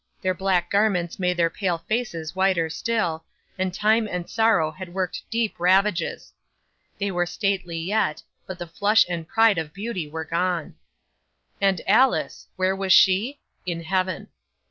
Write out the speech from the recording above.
Their black garments made their pale faces whiter still, and time and sorrow had worked deep ravages. They were stately yet; but the flush and pride of beauty were gone. 'And Alice where was she? In Heaven.